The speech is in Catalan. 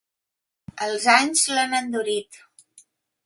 Els anys l'han endurit.